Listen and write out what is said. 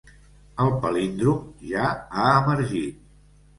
El palíndrom ja ha emergit.